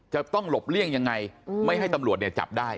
จะต้องหลบเลี่ยงยังไงไม่ให้ตำรวจเนี่ยจับได้